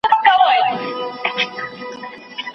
پل یې هېر دی له دښتونو یکه زار له جګو غرونو